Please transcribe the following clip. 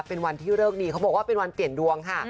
เป็นวันที่เลิกดีเขาบอกว่าเป็นวันเปลี่ยนดวงค่ะ